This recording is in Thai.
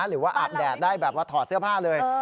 หรือว่าอาบแดดได้แบบว่าถอดเสื้อผ้าเลยเออ